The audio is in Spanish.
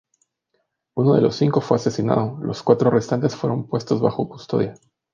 Uno de los cinco fue asesinado, los cuatro restantes fueron puestos bajo custodia.